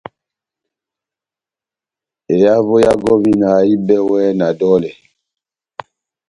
Ehavo ya gɔvina ehibɛwɛ na dɔlɛ.